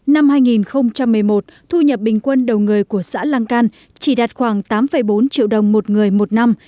năm hai nghìn một mươi một thu nhập bình quân đầu người của xã lăng can chỉ đạt khoảng tám bốn triệu đồng một người một năm